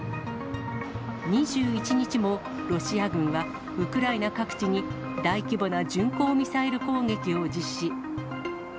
２１日もロシア軍は、ウクライナ各地に大規模な巡航ミサイル攻撃を実施。